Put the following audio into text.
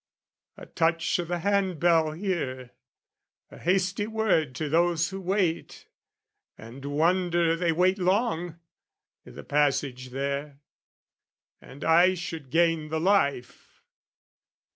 A touch o' the hand bell here, a hasty word To those who wait, and wonder they wait long, I' the passage there, and I should gain the life!